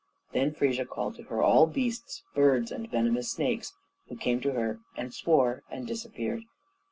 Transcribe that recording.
Then Frigga called to her all beasts, birds, and venomous snakes, who came to her and swore, and disappeared.